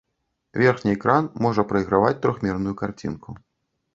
Верхні экран можа прайграваць трохмерную карцінку.